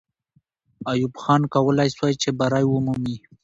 ایوب خان کولای سوای چې بری ومومي.